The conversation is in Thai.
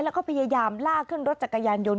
แล้วก็พยายามล่าเครื่องรถจักรยานยนต์